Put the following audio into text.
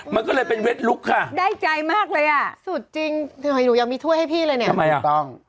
มันก็เลยเป็นเว็ดลุคค่ะสุดจริงถ้าอยู่ยังมีถ้วยให้พี่เลยเนี่ยไม่ต้อง